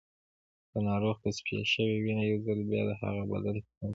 د ناروغ تصفیه شوې وینه یو ځل بیا د هغه بدن ته پمپ کېږي.